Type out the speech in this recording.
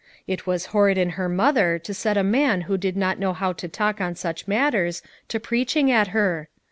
It was horrid in her mother to set a man who did not know how to talk on such matters, to preaching at her!